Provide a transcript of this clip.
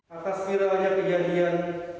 atas viralnya kejadian